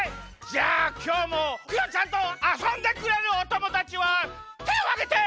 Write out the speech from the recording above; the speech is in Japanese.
じゃあきょうもクヨちゃんとあそんでくれるおともだちはてをあげて！